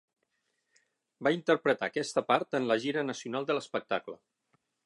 Va interpretar aquesta part en la gira nacional de l'espectacle.